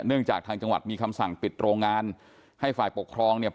จากทางจังหวัดมีคำสั่งปิดโรงงานให้ฝ่ายปกครองเนี่ย